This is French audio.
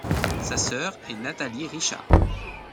Sa sœur est Nathalie Richard.